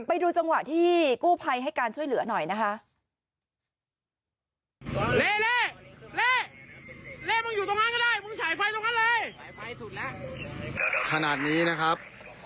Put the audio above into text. ไปดูจังหวะที่กู้ภัยให้การช่วยเหลือหน่อยนะคะ